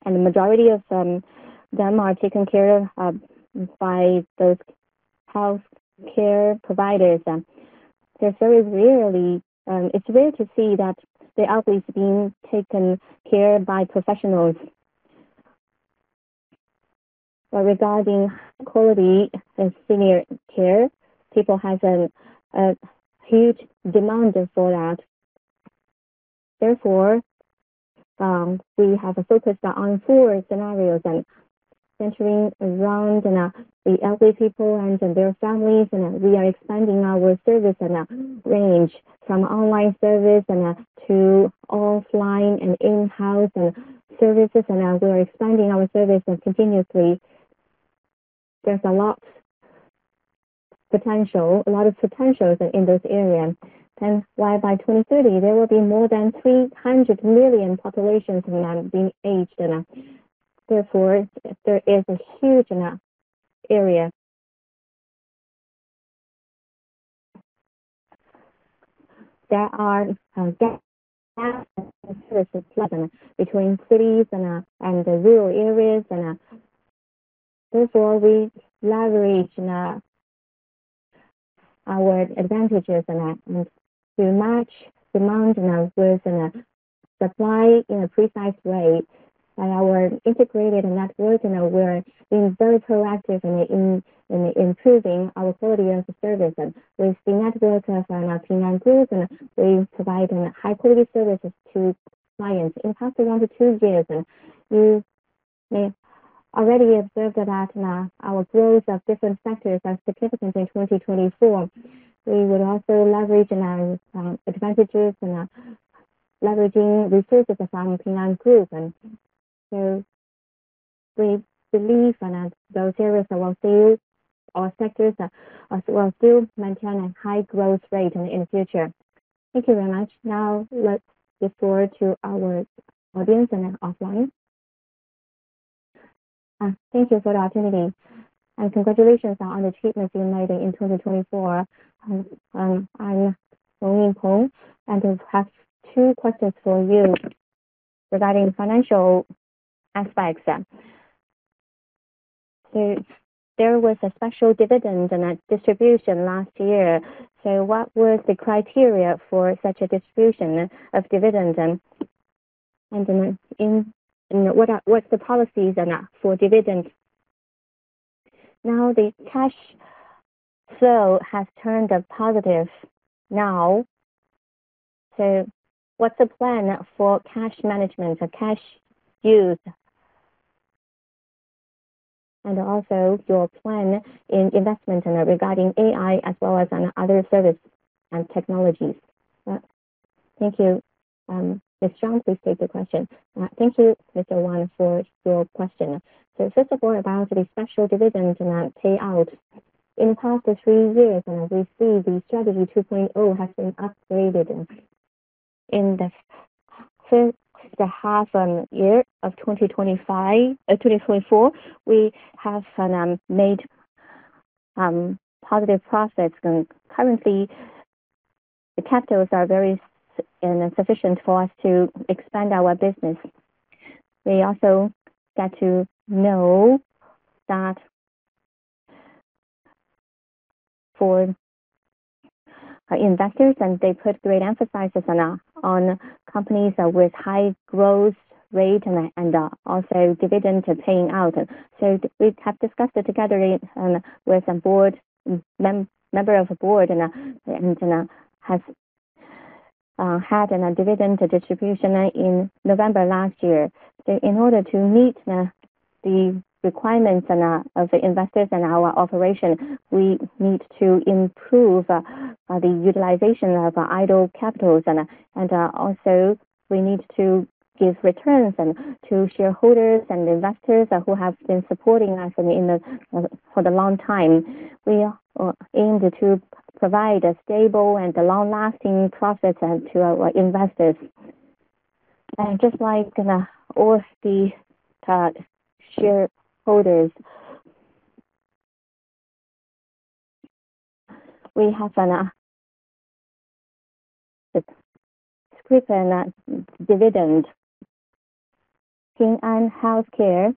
majority of them are taken care of by those healthcare providers. It's very rarely, it's rare to see that the elderly is being taken care by professionals. Regarding quality in senior care, people has a huge demand for that. Therefore, we have a focus on four scenarios and centering around the elderly people and their families. We are expanding our service range from online service and to offline and in-house services. We are expanding our services continuously. There's a lot potential, a lot of potentials in this area. Why by 2030 there will be more than 300 million populations being aged. If there is a huge enough area. There are gap between cities and the rural areas. Therefore, we leverage in our advantages to match demand now with supply in a precise way. Our integrated network, you know, we're being very proactive in improving our quality of the service. With the network of Ping An Group, we provide high quality services to clients. In the past 1-2 years, you may already observed that our growth of different sectors are significant in 2024. We would also leverage in some advantages and leveraging resources from Ping An Group. We believe in those areas that we'll see all sectors will still maintain a high growth rate in future. Thank you very much. Now let's get forward to our audience and offline. Thank you for the opportunity, congratulations on the achievements you made in 2024. I'm calling from, I have two questions for you regarding financial aspects then. There was a special dividend and a distribution last year. What was the criteria for such a distribution of dividend, what are, what's the policies for dividends? The cash flow has turned positive now. What's the plan for cash management or cash use? Also your plan in investment regarding AI as well as on other service and technologies. Thank you. Miss Zang, please take the question. Thank you, Mr. Wang, for your question. About the special dividend and payout. In the past 3 years, we see the Strategy 2.0 has been upgraded. In the half year of 2025, 2024, we have made positive profits. Currently, the capitals are very sufficient for us to expand our business. We also get to know that for investors, they put great emphasizes on companies with high growth rate and also dividend paying out. We have discussed it together with the board, member of the board and had an a dividend distribution in November last year. In order to meet the requirements of the investors and our operation, we need to improve the utilization of idle capitals and also we need to give returns and to shareholders and investors who have been supporting us for the long time. We aim to provide a stable and long-lasting profits to our investors. Just like all the shareholders, we have a scrip and a dividend. Ping An Healthcare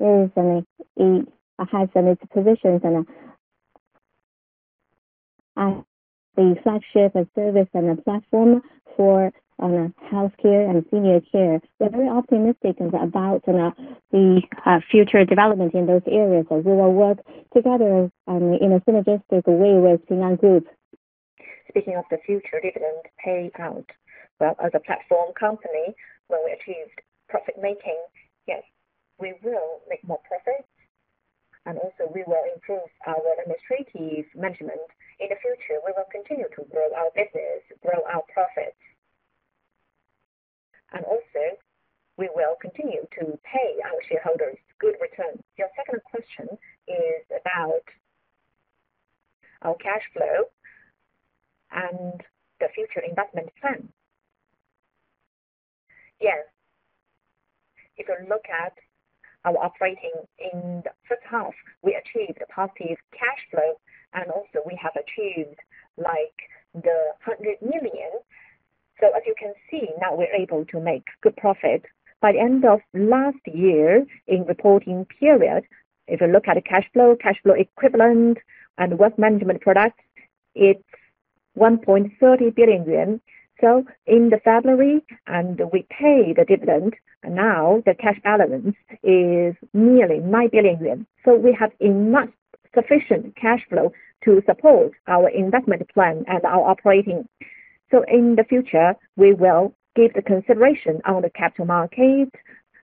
It has its positions at the flagship of service and the platform for healthcare and senior care. We are very optimistic about the future development in those areas, as we will work together in a synergistic way with Ping An Group. Speaking of the future dividend payout. As a platform company, when we achieved profit making, yes, we will make more profits. Also, we will improve our administrative management. In the future, we will continue to grow our business, grow our profits. Also, we will continue to pay our shareholders good returns. Your second question is about our cash flow and the future investment plan. If you look at our operating in the first half, we achieved a positive cash flow. Also, we have achieved, like 100 million. As you can see, now we're able to make good profit. By end of last year in reporting period, if you look at the cash flow, cash flow equivalent and wealth management products, it's 1.30 billion yuan. In the February, we pay the dividend, now the cash balance is nearly 9 billion yuan. We have enough sufficient cash flow to support our investment plan and our operating. In the future, we will give the consideration on the capital market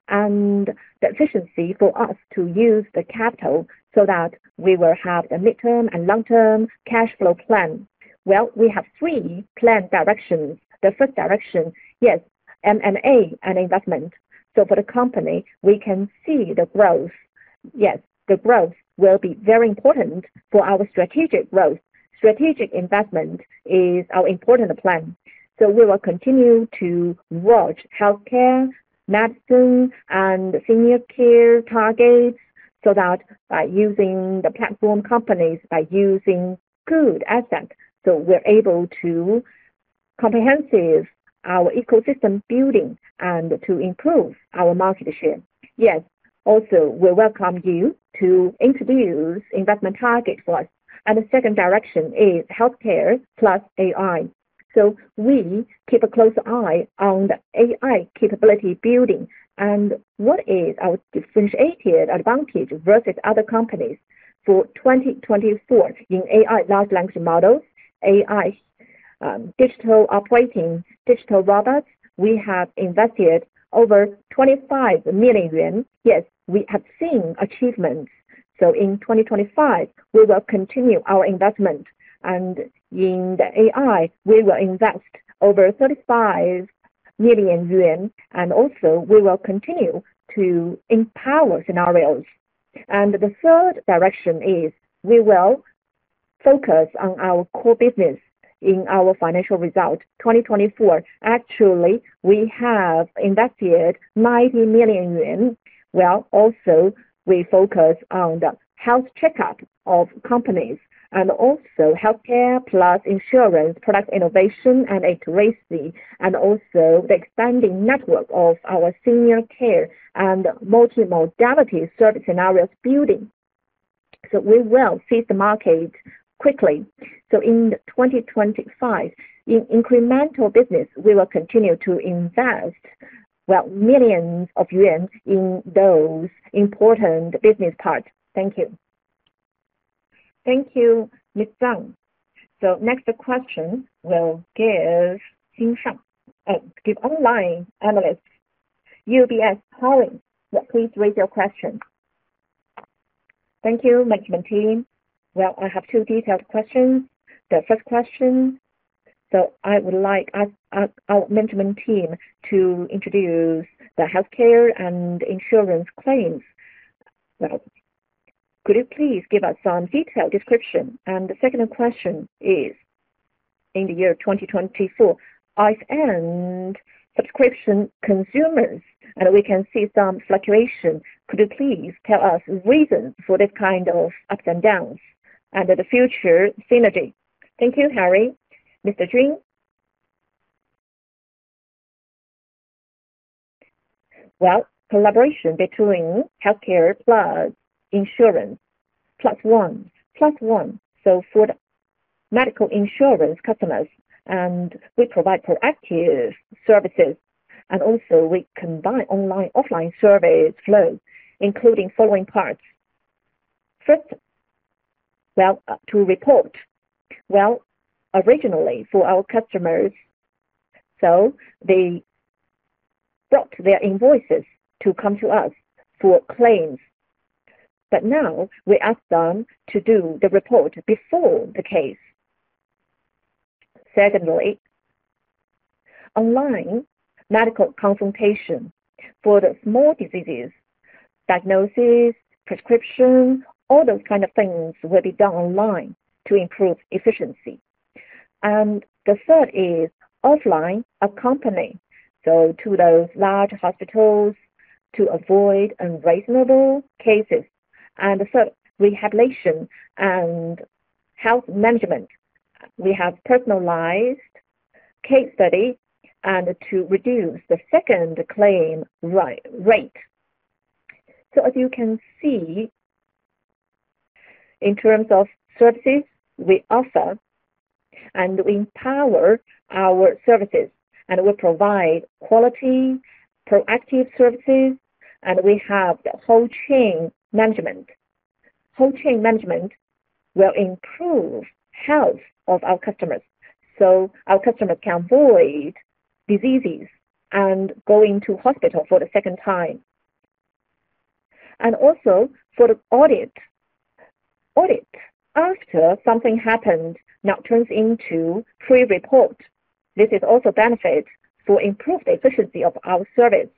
and the efficiency for us to use the capital so that we will have the midterm and long-term cash flow plan. Well, we have 3 plan directions. The first direction, yes, M&A and investment. For the company, we can see yes, the growth will be very important for our strategic growth. Strategic investment is our important plan. We will continue to watch healthcare, medicine, and senior care targets so that by using the platform companies, by using good assets, so we're able to comprehensive our ecosystem building and to improve our market share. Yes. We welcome you to introduce investment target for us. The second direction is healthcare plus AI. We keep a close eye on the AI capability building and what is our differentiated advantage versus other companies. For 2024 in AI large language models, AI, digital operating, digital robots, we have invested over 25 million yuan. Yes, we have seen achievements. In 2025, we will continue our investment. In the AI, we will invest over 35 million yuan, and also we will continue to empower scenarios. The third direction is we will focus on our core business in our financial results. 2024, actually, we have invested 90 million yuan. Also we focus on the health checkup of companies and also healthcare plus insurance, product innovation and iteration, and also the expanding network of our senior care and multimodality service scenarios building. We will seize the market quickly. In 2025, in incremental business, we will continue to invest, well, millions yuan in those important business parts. Thank you. Thank you, Ms. Zang. Next question, we'll give uncertain, give online analyst. UBS, Harry, please raise your question. Thank you, management team. Well, I have two detailed questions. The first question, I would like as our management team to introduce the healthcare and insurance claims. Well, could you please give us some detailed description? The second question is, in the year 2024, Ping An Xin Yi subscription consumers, we can see some fluctuations. Could you please tell us reason for this kind of ups and downs and the future synergy? Thank you, Harry. Mr. Jun. Well, collaboration between healthcare plus insurance, plus one, plus one. For the medical insurance customers, we provide proactive services, we combine online, offline service flow, including following parts. First, to report. Originally for our customers, they brought their invoices to come to us for claims. Now we ask them to do the report before the case. Secondly, online medical consultation for the small diseases, diagnosis, prescription, all those kind of things will be done online to improve efficiency. The third is offline accompany to those large hospitals to avoid unreasonable cases. The third, rehabilitation and health management. We have personalized case study and to reduce the second claim rate. As you can see, in terms of services we offer, we empower our services, we provide quality, proactive services, we have the whole chain management. Also for the audit. Audit, after something happened, now turns into free report. This is also benefit to improve the efficiency of our service.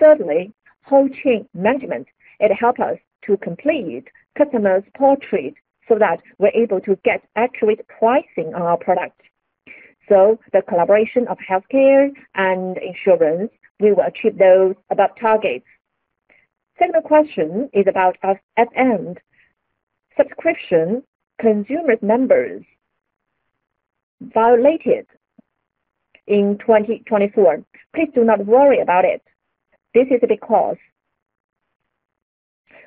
Thirdly, whole chain management. It help us to complete customers' portrait so that we're able to get accurate pricing on our product. The collaboration of healthcare and insurance, we will achieve those above targets. Second question is about F-end. Subscription consumer numbers violated in 2024. Please do not worry about it. This is because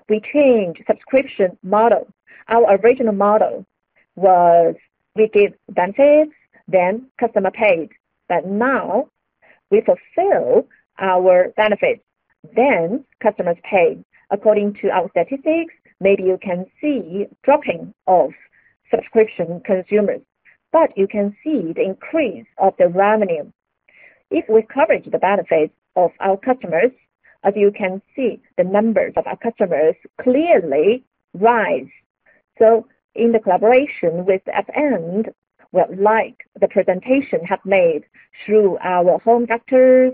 we changed subscription model. Our original model was we give benefits, then customer paid. Now, we fulfill our benefits, then customers pay. According to our statistics, maybe you can see dropping of subscription consumers, but you can see the increase of the revenue. If we coverage the benefits of our customers, as you can see, the numbers of our customers clearly rise. In the collaboration with F-end, we're like the presentation have made through our Ping An Doctor Home,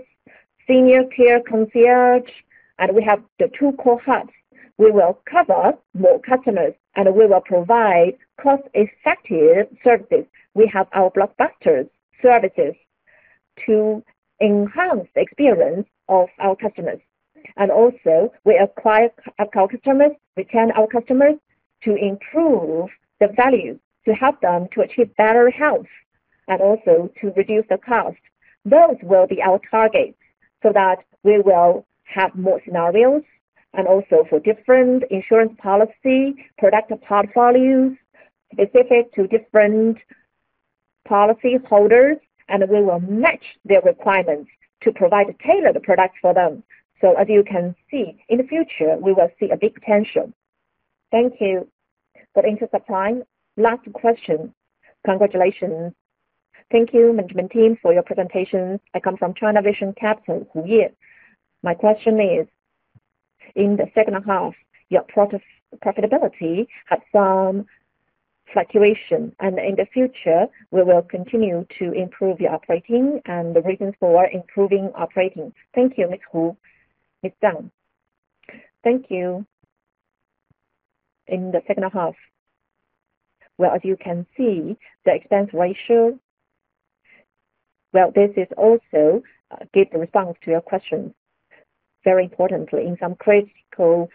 senior care concierge, and we have the two core hubs. We will cover more customers, and we will provide cost-effective services. We have our blockbuster services to enhance the experience of our customers. Also we acquire our customers, retain our customers to improve the value, to help them to achieve better health, and also to reduce the cost. Those will be our targets so that we will have more scenarios and also for different insurance policy, product portfolios specific to different policy holders, and we will match their requirements to provide a tailored product for them. As you can see, in the future, we will see a big potential. Thank you. In terms of time, last question. Congratulations. Thank you, management team, for your presentations. I come from China Vision Capital, Hu Yebi. My question is, in the second half, your profitability had some fluctuation, and in the future, we will continue to improve your operating and the reasons for improving operating. Thank you, Ms. Hu. It's done. Thank you. In the second half, well, as you can see, the expense ratio. Well, this is also give the response to your question. Very importantly, in some critical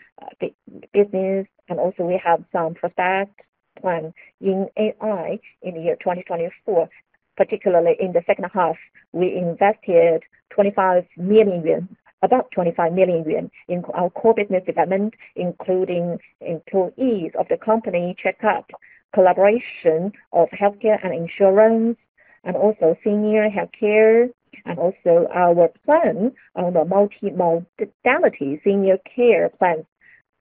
business, and also we have some project plan in AI in the year 2024. Particularly in the second half, we invested 25 million yuan, about 25 million yuan in our core business development, including employees of the company checkup, collaboration of healthcare and insurance, and also senior healthcare, and also our plan on the multimodality senior care plan.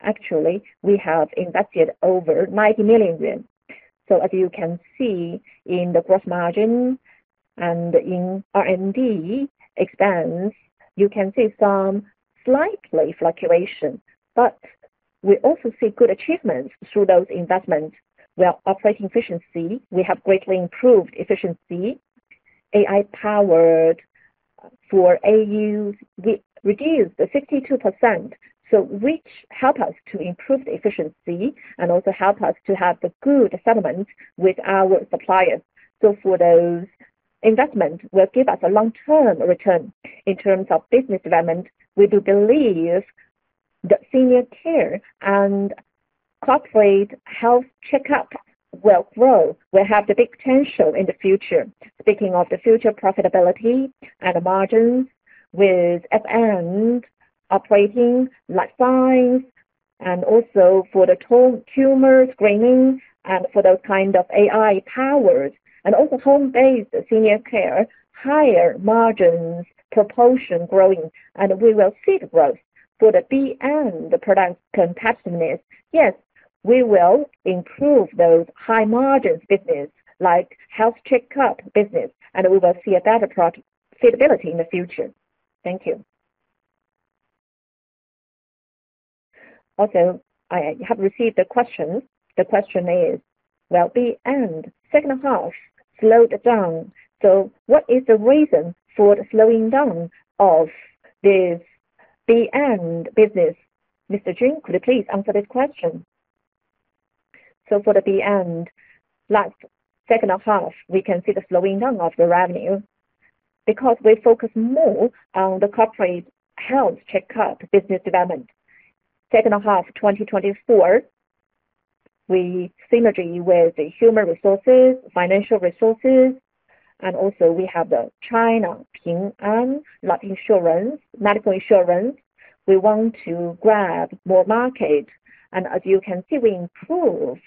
Actually, we have invested over 90 million yuan. As you can see in the gross margin and in R&D expense, you can see some slight fluctuation, we also see good achievements through those investments. We are operating efficiency. We have greatly improved efficiency. AI powered for MAUs, we reduced the 62%, so which help us to improve the efficiency and also help us to have the good settlement with our suppliers. For those investment will give us a long-term return. In terms of business development, we do believe that senior care and corporate health checkup will grow, will have the big potential in the future. Speaking of the future profitability and the margins with F-end operating life science and also for the tumor screening and for those kind of AI powers and also home-based senior care, higher margins proportion growing, we will see growth. For the B-end, the product competitiveness, yes, we will improve those high-margin business like health checkup business, and we will see a better profitability in the future. Thank you. Also, I have received a question. The question is, well, B-end second half slowed down. What is the reason for the slowing down of this B-end business? Mr. Jing, could you please answer this question? For the B-end last second half, we can see the slowing down of the revenue because we focus more on the corporate health checkup business development. Second half 2024, we synergy with the human resources, financial resources, and also we have the China Ping An Life Insurance, medical insurance. We want to grab more market. As you can see, we improve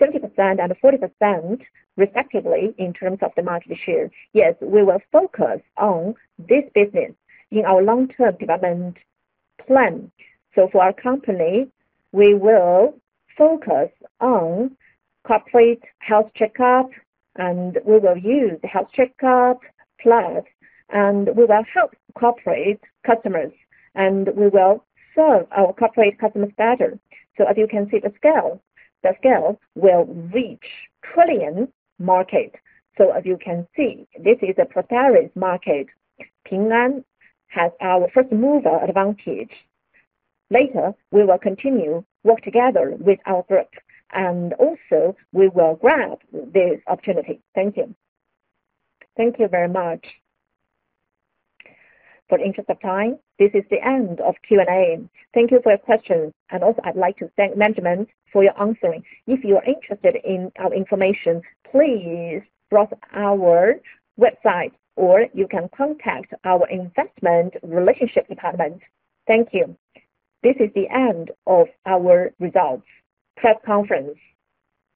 70% and 40% respectively in terms of the market share. Yes, we will focus on this business in our long-term development plan. For our company, we will focus on corporate health checkup, and we will use the health checkup plan, and we will help corporate customers, and we will serve our corporate customers better. As you can see the scale, the scale will reach 1 trillion market. As you can see, this is a prosperous market. Ping An has our first-mover advantage. Later, we will continue work together with our group, and also we will grab this opportunity. Thank you. Thank you very much. For interest of time, this is the end of Q&A. Thank you for your questions, and also I'd like to thank management for your answering. If you are interested in our information, please browse our website, or you can contact our investor relations department. Thank you. This is the end of our results press conference.